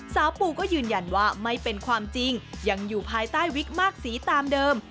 ปูก็ยืนยันว่าไม่เป็นความจริงยังอยู่ภายใต้วิกมากสีตามเดิม